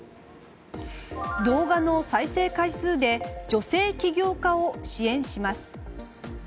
動画の再生回数で女性起業家を支援します。